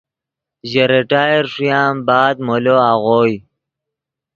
ژے ریٹائر ݰویان بعد مولو آغوئے